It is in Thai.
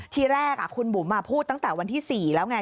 ทีแรกคุณบุ๋มพูดตั้งแต่วันที่๔แล้วไง